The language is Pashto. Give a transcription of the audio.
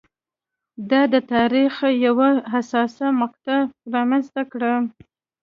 دا د تاریخ یوه حساسه مقطعه رامنځته کړه.